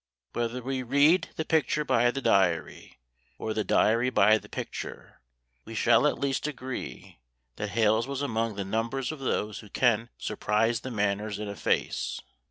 Whether we read the picture by the diary, or the diary by the picture, we shall at least agree, that Hales was among the numbers of those who can 'surprise the manners in a face.